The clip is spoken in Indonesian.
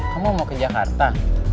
kamu mau ke jakarta